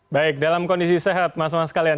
baik dalam kondisi sehat mas mas kalian